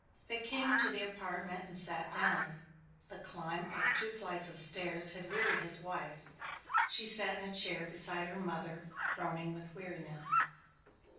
They came into the apartment and sat down. The climb up two flights of stairs had wearied his wife. She sat in a chair beside her mother groaning with weariness.